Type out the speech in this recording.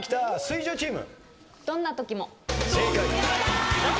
木１０チーム。